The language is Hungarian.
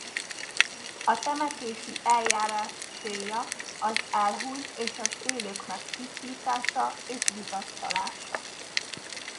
A temetési eljárás célja az elhunyt és az élők megtisztítása és vigasztalása.